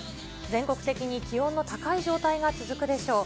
全国的に気温の高い状態が続くでしょう。